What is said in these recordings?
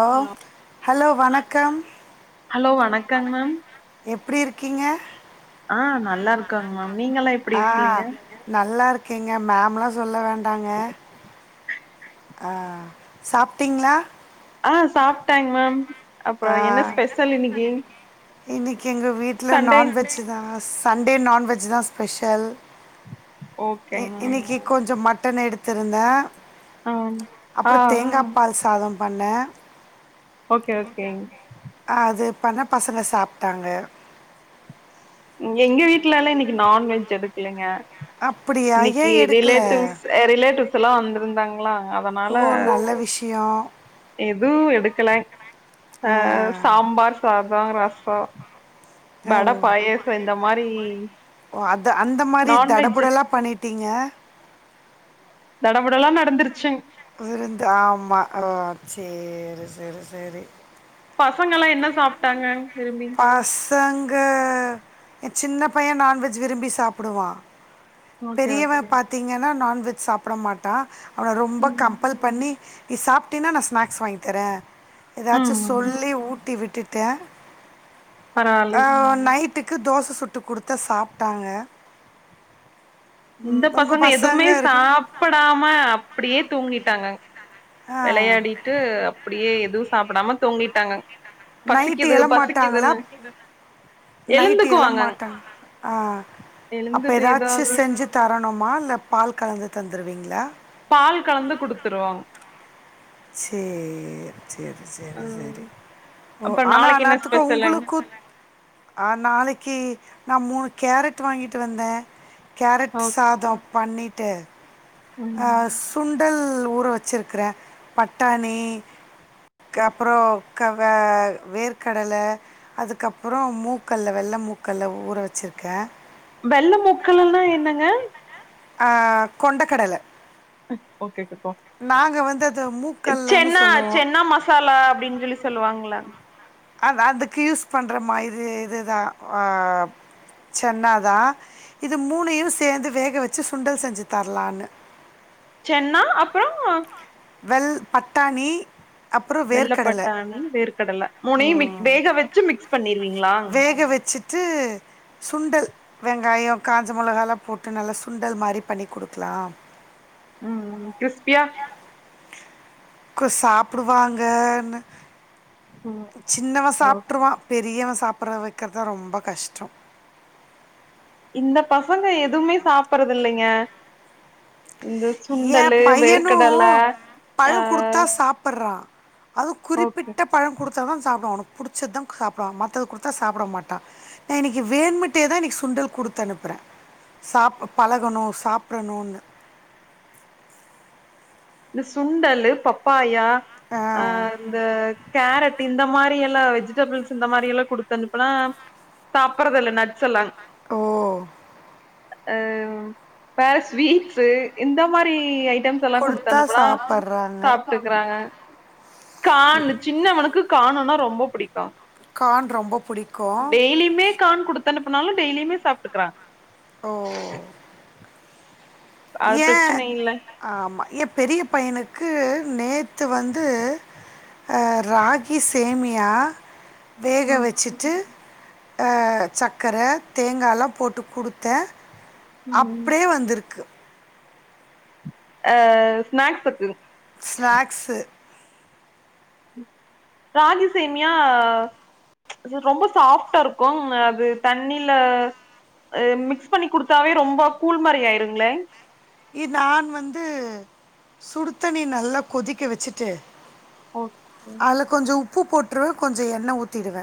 ஓ hello hello வணக்கம் hello வணக்கங் ma'am எப் எப்டிருக்கீங்க ஆ நல்லா இருக்கங்க மேம் நீங்க எல்லா எப்டி இருக்கீங்க இருங்கீங்க மேம்லா சொல்ல வேண்ட டாங்க ஆ சாப்ட்டீங்களா ஆ சாப்ட்டேங்க மேம் அப்றோ என்ன ஸ்பெஷல் இன்னைக்கு இன்னைக்கு எங்க வீட்டில சண்டே நான்வெஜ் தா சண்டே நான்வெஜ் தா ஸ்பெஷல் இ ஓகேங் மேம் இன்னைக்கு கொஞ்சோ மட் ட்டன் எடுத்திருந்த அ ஆ பால் சாதம் பண்ணே ஓகே ஓகேங் அ அது பண்ணா பசங்க சா சாப்ட்டாங்க இங்க எங்க வீட்லலா இன்னைக்கு நான்வெஜ் எடுக்கலைங்க அப்டியா ஏ இன்னைக்கு எடுக்கல ரிலேட்டிவ்ஸ் ஆ ரிலேட்டிவ் சுலா வந்திருந்தாங்களா அதனால ஓ நல்ல விஷ் யோ எதுவு எடுக்கல ஆ அ சாம்பார் சாதோ ரஸ் சோ ஓவ் ஓ அது அந்த மாரி நான்வெஜ் தடபுடலா பண்ணிட்டிங் ங்க தடபுடலா நடந்துருச்சுங் விருந்து ஆமா ஓ சேரி சேரி சேரி பசங்கல்லா என்ன சாப்டாங்கங் விரும்பி பசங்க என் சின்ன பைய நான்வெஜ் விரும்பி சாப்புடுவா ஓகே பெரியவ ஓகே பாத்தீங்கன்னா நான் வெஜ் சாப்புட மாட்டா அவன ரொம்பா ம் பண்ணி நீ சாப்ட்டீன்னா நா ஸ்நேக்ஸ் வாங்கி தர எதாச்சு ம் சொல்லி ஊட்டி விட் திட்ட பரவால்லை ஆ நைட் வீட்டுக்கு தோச சுட்டு குடுத்த சாப்ட்டாங்க இந்த பசங்க எதுவுமே சாப்புடாம அப்புடியே தூங்கிட்டாங்கங் ஆ வெளையாடிட்டு அப்புடியே எதுவு சாப்புடாம தூங்கிட்டாங்கங் நைட்டு எழ மாட்டாங்களா நைட்டு எழ எழுந்துக்குவாங்க மாட்டாங் ஆ அப்ப எழுந்துட்டு எதாச்சு ஏதாவது செஞ்சு தரணுமா இல்ல பால் கலந்து தந்துருவீங்களா பால் கலந்து குடுத்துருவாங்க சேர் சேரி அ சேரி சேரி ஓ அப்ப ஆனா நாளைக்கு என்ன அன்நேர்த்துக்கு ஸ்பெஷலுங் உங்களுக்கு நாளைக்கு நா மூ கேரட் வாங்கிட்டு வந்த கேரட் ஓக் சாதோ பண்ணி ட்டு ஆ ம் சுண் டல் ஊற வெச்சுருக்குற பட்டாணி கப்புறோ க வேர்க்கடல அதுக்கப்புறோ மூக்கல்ல வெள்ள மூக்கல்ல ஊற வெச்சுருக்க வெள்ள முக்கலுன்னா என்னங்க ஆ கொண்டக்கடல ஓகே வந்து அது [unintelligible] மூக்கல்லன்னு சென்னா சொல்லுவோம் சென்னா மசாலா அப்டின் சொல்லி சொல்லுவாங்ல அது அதுக்கு யூஸ் பண்ற மா இது இதுதா ஆ சென்னாதா இது மூனையு சேந்து வேக வச்சு சுண்டல் செஞ்சு தரலான்னு சென்னா அப்றோ அ வெள் பட்டாணி அப்புறம் வெள்ள வேர்க்கடலை பட்டாணி வேர்க்கடல மூணையு மிக் வேக வச்சு மிக்ஸ் பண்ணி வேக வச்சுட்டு சுண்டல் வெங்காயொ காஞ்ச மொளகாலா போட்டு நல்லா சுண்டல் மாரி பண்ணி குடுக்லா ம் கிரிஸ்பியா கு சாப்டுவாங்கன்னு ம் சின்னவ ஓ சாப்ட்ருவா பெ ரியவ சாப்புற வக்கற்தா ரொம்ப கஷ்டொ இந்த பசங்க எதுவுமே சாப்பறதில்லைங்க ஏ பையனு பழ ஆ குடுத்தா சாப்புர்றா அதுவ் ஓகே குறிப்பிட்ட பழ குடு ச்சாதா சாப்டுவா அவனுக் புடிச்சதுதா சாப்டுவா மத்தத குடுத்தா சாப்ட மாட்டா நா இன்னக்கி வேணுமுட்டே தா இன்னைக்கு சுண்டல் குடுத்து அனுப்புறே சாப்ப பழகனு சாப்டனூனு இந்த சுண்டலு பப்பாயா ஆ அந்த கேரட்டு இந்த மாரி எல்லா வெஜிடபிள்ஸ் இந்த மாரி எல்லா குடுத்தனுப்புனா சாப்புறதில்ல நட்ஸ் எல்லா ஓ அ வேற ஸ்வீட்ஸு இந்த மாரி ஐ ட்டம்ஸல்லா குடு குடுத்தா த்தனுப்புனா சாப்பட்றாங்க சாப்ட்டுக்குறாங்க கானு சின்னவனுக்கு கான் னா ரொம்ப புடிக்கு கார்ன் ரொம்ப புடிக்கு டெய்லியுமே கான் குடுத்தானுப்புனாலு டெய்லியுமே சாப் டுக்குறா ஓ அது ஏ பிரச்சன இல்ல ஆமா ஏ பெரிய பையனுக்கு நேத்து வந்து அ ராகி சேமியா வேக ம் வச்சுட்டு அ சக்கர தேங்கால்லா போட்டு குடுத்தே ம் அப்டியே வந்திருக்கு ஆ ஸ்நாக்ஸுக்கு ஸ்நாக்ஸு ராகிசேமியா ரொம்ப சாஃப்டாருக்கும் அது தண்ணில அ மிக்ஸ் பண்ணி குடுத்தாவே ரொம்ப கூழ் மாரி ஆயிருங்ளே இ நான் வந்து சுடுத்தண்ணி நல்லா கொதிக்க வச்சுட்டு அதுல கொஞ்சோ உப் உப்பு போட்ருவ கொஞ்சோ எண்ணெய் ஊத்திடுவ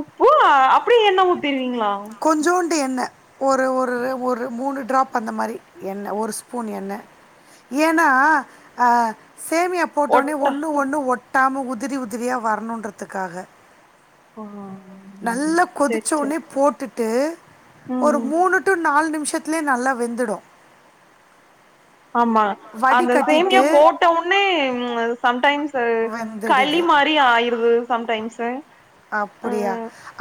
உப்பு அப்டி எண்ண ஊத்திருவீங் களா டு எண்ண ஒரு ஒரு ஒரு மூணு டிராப் அந்த மாரி எண்ண ஒரு ஸ்பூன் எண்ண ஏனா ஆ சேமியா போட்டோனே ஒட்ட ஒன்னு ஒன்னு ஒட் டாம உதிரி உதிரியா வரனுன்றதுக்காக ஓ அ நல்ல கொதிச்ச ஒன்னே போட்டுட் டு ம் ஒரு ம் மூணு டு நாலு நிம் ஷத்லே நல்லா வெந்துடும் ஆமா அந்த சேமியா வடிகட்டிட்டு போட்ட ஒன்னே சம் டைம்ஸ் ச களி வெந்துடுது மாரி ஆயிருது சம் டைம்ஸு ஆ அப்படியா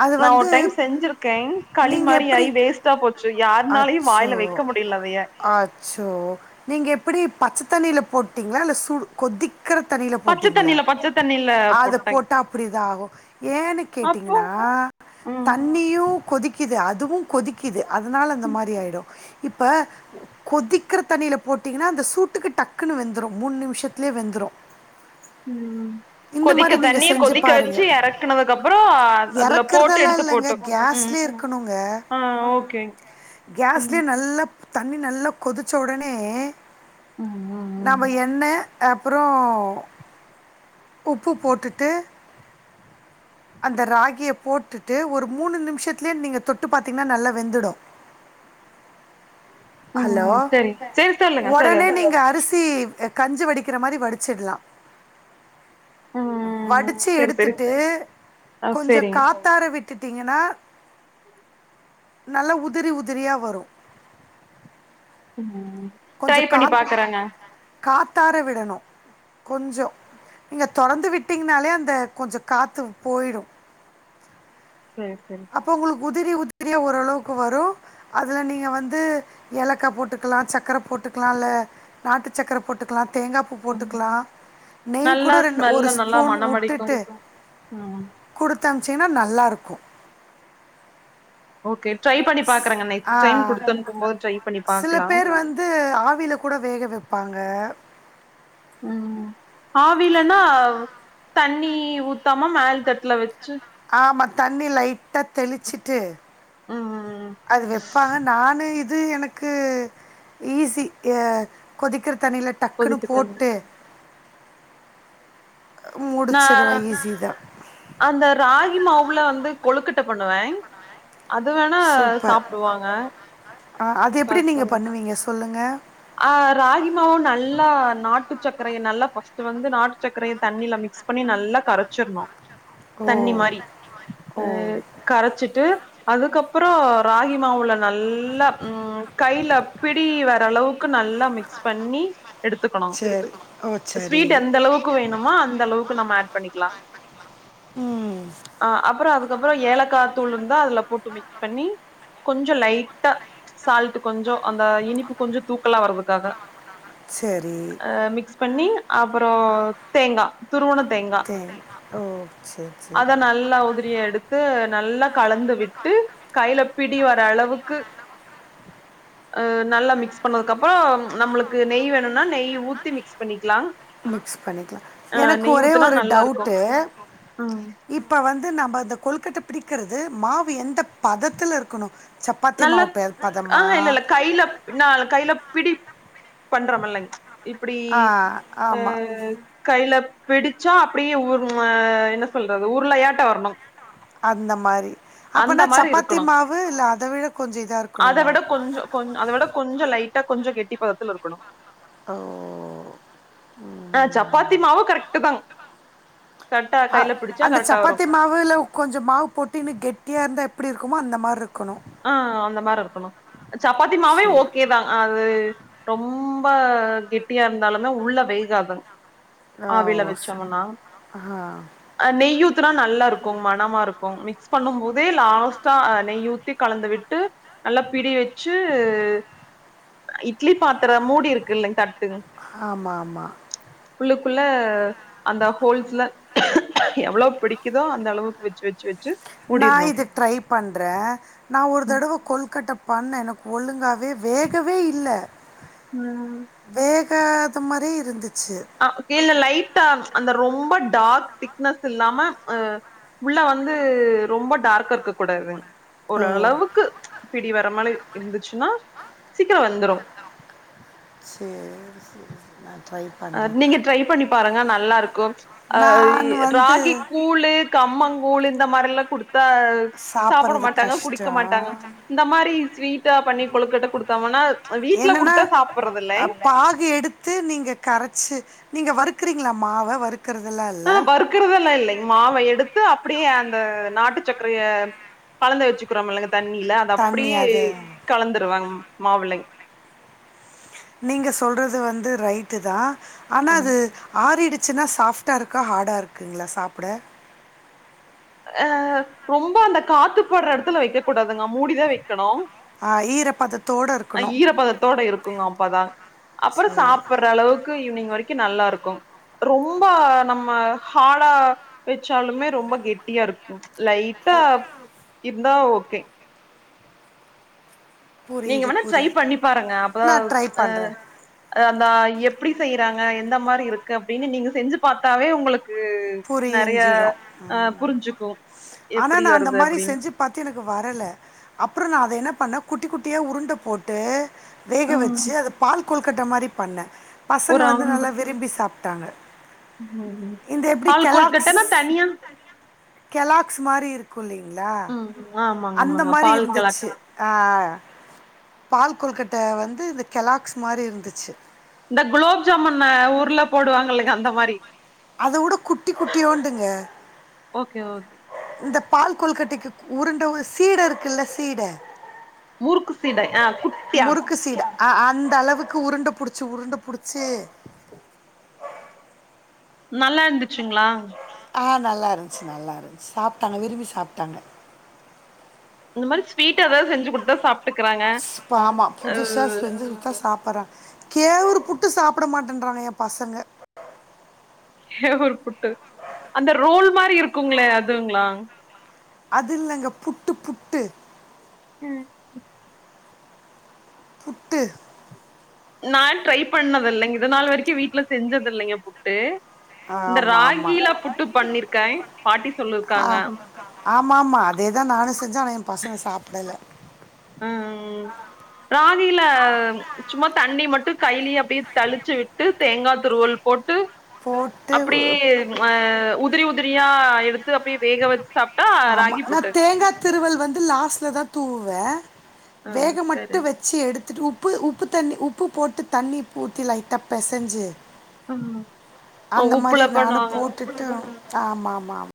அது நா ஒரு வந்து டைம் செஞ்சிருக்கேன் களி நீங்கள் மாரி எப்படி ஆகி வேஸ்டா போச்சு யாருனாலயு அச்சோ வாயில வைக்க முடியல அதைய அச்சோ நீங்க எப்டி பச்ச தண்ணில போட்டீங்ளா இல்ல சுடு கொதிக் க்ற தண்ணில பச்ச போட்டீங்ளா தண்ணில பச்ச தண்ணில அத போட்டே போட்டா அப்டிதா ஆகும் ஏன்னு அப்போ கேட்டீங்னா ம் தண்ணியு கொதிக்கிது அதுவும் கொதிக்கிது அத் அதனால அந்த மாரி ஆய்டும் இப்ப கொதிக்கிற தண்ணில போட்டீங்கனா அந்த சூட்டுக்கு டக்குன்னு வெந்துரும் மூணு நிம்ஷத்லே வெந்துரும் ம் இந்த கொதிக்க மாரி நீங்க தண்ணிய செஞ்சு பாருங்க. கொதிக்கவச்சு இறக்கனது அப்றோ அதுல போட்டு இறக்குறதெல்லாம் எடுத்து இல்லங்க. போட்டு ம் கேஸ்லயே ம் ஓகே கேஸ்லே ம் நல்லப் தண்ணி நல்லா கொதிச்ச ஒடனே ம் ம் ம் நாம எண்ண அப்றோ உப்பு போட்டுட்டு அந்த ராகிய போட்டுட்டு ஒரு மூணு நிம்ஷத்லே நீங்க தொட்டு பாத்தீங்னா நல்லா வெந்துடும் ஹலோ ம் சரி சரி சொல்லுங்க சொல்லுங்க ஒடனே நீங்க அரிசி எக் கஞ்சு வடிக்கிற மாரி வடிச்சிட்லா ம் வடிச்சு சரி சரி எடுத்துட்டு ஆ கொஞ்சோ சரிங்க காத்தாட விட்டு ட்டீங்கன்னா நல்ல உதிரி உதிரியா வரு உம் கொஞ்சோ ட்ரை பண்ணி பாக்குறேங்க கா காத்தாட விடணு கொஞ்சோ நீங்க தொடர்ந்து விட்டீங்கனாலே அந்த கொஞ்ச காத்து போயிடு சரி சரி சரி அப்ப உங்களுக்கு உதிரி உதிரி உதிரியா ஓரளவுக்கு வரு அதில நீங்க வந்து ஏலக்கா போட்டுக்கலா சக்கர போட்டுக்கலா இல்ல நாட்டு சக்கர போட்டுக்கலா தேங்கா பூ ம் போட்டுக்கலா நெய் கூட நல்லா ரெண்டு ஒரு ஸ்மெல்லு நல்லா ஸ்பூன் வுட்டுட்டு மணமடிக்கு கெடுத்து ம் கொடுத்து அனுப்பிச்சிங்கனா நல்லாருக்கு ஓகே ட்ரை பண்ணி பாக்குறேங்க ஆ நெக்ஸ்ட் டைம் குடுத்தனுப்பும்போது ட்ரை பண்ணி சில பாக்கலா பேர் வந்து ஆவியில கூட வேக வெப்பாங்க உம் ஆவிலனா தண்ணி தண்ணி ஊத்தாம மேல் தட்டுல வ ஆமா தண்ணி லைட்டா தெளிச்சுட்டு உம் உம் அது வெப்பாங்க நானு இது இது எனக்கு ஈஸி ஆ கொதிக்குறது தண்ணியில டக்குன்னு கொதிக்கத்தள்ளு போட்டு நா முடிச்சுருவே ஈசிதா அந்த ராகி மாவுல வந்து கொழுக்கட்ட பண்ணுவே அது வேணா சூப்பர் சாப்டுவாங்க சாப்டுவோ ங்க ஆ ராகிமாவு நல்லா நாட்டு நாட்டு சக்கரய நல்லா பஸ்ட்டு வந்து நாட்டு சக்கரய தண்ணியில மிக்ஸ் பண்ணி நல்லா கரச்சிறணு ஓ தண்ணி மாரி ஓ உம் கரச்சிட்டு அதுக்கப்றோ ராகி மாவுல நல்லா உம் கையிலப்பிடி வர அளவுக்கு நல்லா மிக்ஸ் பண்ணி எடுத்துக்கணும் சரி ஓ சரி ஸ்வீட் எந்த அளவுக்கு வேணுமோ அந்த அளவுக்கு நம்ம அட் பண்ணிக்கலாம் ம் அ அப்றோ அது அப்றோ ஏலக்கா தூள் இருந்தா அதுல போட்டு மிக்ஸ் பண்ணி கொஞ்சம் லைட்டா சால்ட் கொஞ்சம் அந்த இனிப்பு கொஞ்சம் நல்ல வருதுகாக சரி அ மிக்ஸ் பண்ணி அப்றோ தேங்காய் துருவுனது தேங்காய் சரி ஓ சரி சரி அதை நல்லா உதிரிய எடுத்து நல்லா கலந்து விட்டு கையில பிடி வர அளவுக்கு ஆ நல்லா மிக்ஸ் பண்ணது அப்றோ நம்மளுக்கு நெய் வேணும்னா நெய் ஊத்தி மிக்ஸ் பண்ணி மிக்ஸ் பண்ணிக்கலாம் எனக்கு நெய் ஒரே ஊத்துனா ஒரு நல்லாருக்கு டவுட்டு ம் இப்ப வந்து நம்ம இந்த கொலுக்கட்ட பிடிக்கிறது மாவு எந்த பதத்துல இருக்கணும் சப்பாத்தி நல்லா மாவு பெ ஆ பதமா இல்ல இல்ல கையில ந கையில பிடி பண்றோம்ல்லைவ் இப்டி ஆ ஆ ஆமாம் கையில பிடிச்சா அப்டியே அ என்ன சொல்றது உருளயாட்ட வரணும் அந்த மாரி அப்பனா சப்பாத்தி இருக்கணு மாவு இல்ல அத அத விட கொஞ்சம் கொஞ அதை விட கொஞ்சம் லைட்டா கொஞ்சம் கெட்டி பததுல இருக்கணும் உ ஆ சப்பாத்தி மாவு கரெக்ட்டு தாங் கரெக்டா அ கைல பிடிச்சா அந்த கரெக்டா வரு சப்பாத்தி மாவுல கொஞ்சம் மாவு போட்டன்னனு கெட்டியா இருந்தா எப்டி இருக்கு இருக்குமா அந்த மாரி இருக் ஆ அந்த மாரி இருக்கணும் சப்பாத்தி மாவே சேரி ஓகே தான் அது ரொம் ப கெட்டியா இருந்தாலுமே உள்ள வேகாது ஓ ஆவில ச- வச்சோம்னா ஆ அ நெய்யூத்துனா நல்லா இருக்கும் மனமா இருக்கும் மிக்ஸ் பண்ணும் போதே லாஸ்ட்டா நெய் ஊத்தி கலந்து விட்டு நல்லா பிடி வச்சு இட்லி பாத்திரம் மூடி இருக்கு இல்லங்க தட்டு ஆமா ஆமா உள்ளக்குள்ள அந்த ஹோல்ஸ்ல எவ்ளோ பிடிக்குதோ அந்த அளவுக்கு வச்சு வச்சு வச் நா இது ட்ரை பண்ற நா ஒரு ம் தடவ கொல்கட்டப் பண்ண எனக்கு ஒழுங்காவ் வே வேகவே இல்ல ம் வேக் த அது மாரி இருந்து அ கீழ லைட்டா அந்த ரொம்ப டார்க் திக்னஸ் இல்லாம அ உள்ள வந்து ரொம்ப டார்க்கா இருக்க கூடாதுங் ஓ ஓரளவுக்கு பிடி வராமலே இருந்துச்சுன்னா சீக்கிரோ வெந்துரு சேரி சேரி சேரி நா ட்ரை அ பண்றே நீங்க ட்ரை பண்ணி பாருங்க நல்லா இருக்கு அ நான் வந்து ராகி கூழு கம்மங் கூழு இந்த மாரில்லா குடுத்தா சாப்புட சாப்பறது மாட்டாங்க குடிக்க கஷ்டோ மாட்டாங்க இந்த மாரி ஸ்வீட்டா பண்ணி கொழுக்கட்ட குடுத்தம்ன்னா என்னன்னா பாகு எடுத்து நீங்க கரச்சு நீங்க வறுக்குறீங்களா மாவ வறுக் ஆ லறுக்குறதெல்லா இல்லைங் மாவ எடுத் து அப்டியே அந்த நாட்டு சக்கரைய கலந்து வெச்சுக்குறோம் இல்லங்க தண்ணில அத தண்ணி அப்டியே அது கலந்துருவங் மாவில்லைங் நீங்க சொல்றது வந்து ரைட்டுதா ஆனா அது ஆறிடுச் ச்சுன்னா சாஃப்ட்டா இருக்கா ஹாடா இருக்குங்களா சாப்புட அ ரொம்ப அந்த காத்து படுற எடத்துல வெக்க கூடாதுங்க மூடிதா வெக்கணு ஆ ஈரப்பதத்தோட அ இருக்கணு ஈரப்பதத்தோட இருக்குங்க அப்பாதா அப்புறோ சேரி சாப்புற அளவுக்கு ஈவினிங் வரைக் கி நல்லா இருக்கு ரொம்ப நம்ம ஹாடா வெச்சாலுமே ரொம்ப கெட் ட்டியா இருக்கு லைட்டா இருந்தா ஓக் ஓகே நீங்க புரியுது வேணா ட்ரை புரியுது பண்ணி பாருங்க அப்பதா நா ட்ரை அ பண்றே அந்தா எப்டி செய்ய தாங்க எந்த மாரி இருக்கு அப்புடின்னு நீங்க செஞ்சு பாத்தாவே உங்களுக் புரிஞ்சுடு ஆ புரிஞ்சுக்கு ஆனா எப்டி நா அந்த வருது மாரி அப்டின்னு செஞ்சு பாத்து எனக்கு வரல அப்புறோ நா அத என்ன பண்ண குட்டி குட் ட்டியா உருண்ட போட்டு வேக ம் வெச்சு அது பால் கொலுக்கட்ட மாரி பண்ண பசங்க வந்து நல்லா விரும்பி சாப் தாங்க [inaudible] கொலுக்கட்டனா தனியா கெலாக்ஸ் மாரி இருக்கு குல்லிங்ளா ம் ஆமாங்க அந்த ஆமாங்க மாரி பால் கலாக் இருந்துச்சு ஆ பால் கொலுக்கட்ட வந்து இந்த கெலாக்ஸ் மாரி இருந்துச்சு இந்த குலாப் ஜாமுன் ஊர்ல போடுவாங்க இல்லயா அந்த மாரி அதேட குட்டி குட்டியோண்டுங்க ஓகே ஓகே இந்த பால் கொலுகட்டைக்கு உருண்ட சீட இருக்குல்ல சீட முருக்கு சீடை ஆ குட்டியா சீடை அ அந்த அளவுக்கு உருண்ட புடிச்சு உருண்ட புடிச்சு நல்லா இருந்துசுங்ளா ஆ நல்லா இருந்துச்சு நல்லா இருந்துச்சு சாப்டாங்க விரும்பி சாப்டாங்க இந்த மாரி ஸ்வீட் ஏதாவுது செஞ்சு குடுத்தா சாப்டுக்குறாங்க ஸ்ப- ஆமா புதுசா அவ் செஞ்சு ட்டு சாப்ட மாட்டேறாங்க ஏ பசங்க கேவுரு புட்டு அந்த ரோல் மாரி இருக்குங்களே அதுங்ளா அதுல்லங்க புட்டு புட்டு ம் புட்டு நா ட்ரை பண்ணது இல்லங் இது நாள் வரைக்கும் வீட்ல செஞ்சது இல்லைங்க புட்டு இந்த ஆமா ஆமா ராகில புட்டு பண்ணிருக்கே பாட்டி ஆ சொல்லிருக்காங்க ஆமா ஆமா அதேதா நானு செஞ்சே ஆனா எம் பசங்க சாப்புடல ம் ராகில சும்மா தண்ணி மட்டு கையிலே அப்டியே தளிச்சு விட்டு தேங்கா துருவள் போட்டு போட்டு அப்டியே அ உதிரி உதிரியா எடுத்து அப்டியே வேக வச் ஆமா நா தேங்கா திருவல் வந்து லாஸ்ட்லதா தூவ் வே ஆ வேக மட்டு சரி வச்சி எடுத் உப்பு உப்பு தண்ணி உப்பு போட்டு தண்ணி ஊத்தி லைட்ட பெசஞ்சு ம் அந்த மாரி உப்புல நானு பண்ணுவாங்க போட்டுட்டு ஆமா மா மா